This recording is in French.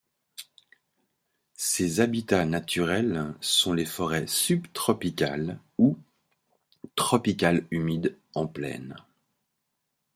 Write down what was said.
Ses habitats naturels sont les forêts subtropicales ou tropicales humides en plaine.